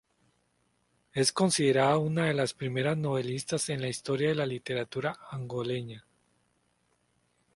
Es considerada una de las primeras novelistas en la historia de la literatura angoleña.